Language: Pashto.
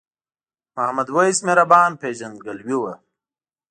محمد وېس مهربان پیژندګلوي وه.